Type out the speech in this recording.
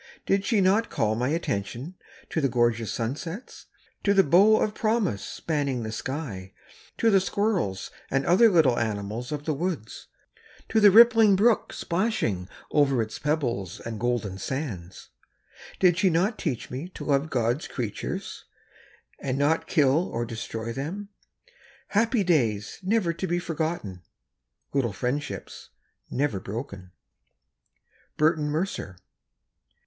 Did she not call my attention to the gorgeous sunsets, to the bow of promise spanning the sky, to the squirrels and other little animals of the woods, to the rippling brook splashing over its pebbles and golden sands; did she not teach me to love God's creatures and not kill or destroy them? Happy days never to be forgotten; little friendships never broken. Berton Mercer.